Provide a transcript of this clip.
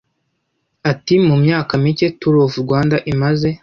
Ati "Mu myaka mike Tour of Rwanda imaze